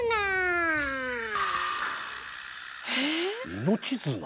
命綱？